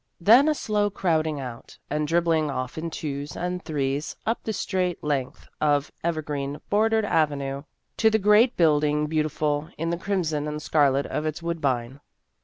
Then a slow crowding out, and dribbling off in twos and threes up the straight length of evergreen bordered avenue to the great building beautiful in the crimson and scarlet of its wood bine.